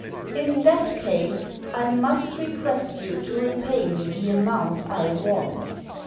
" In that case I must request you to repay me the amount I won